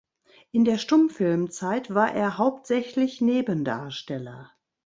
In der Stummfilmzeit war er hauptsächlich Nebendarsteller.